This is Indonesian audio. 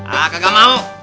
ah kagak mau